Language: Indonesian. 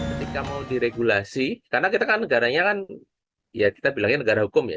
ketika mau diregulasi karena kita kan negaranya kan ya kita bilangnya negara hukum ya